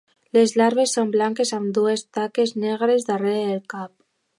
Les larves són blanques amb dues taques negres darrere el cap.